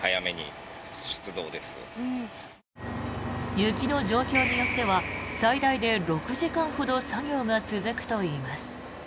雪の状況によっては最大で６時間ほど作業が続くといいます。